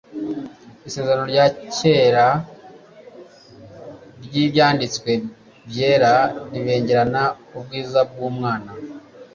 Isezerano rya Kera ry’Ibyanditswe Byera ribengerana ubwiza bw’Umwana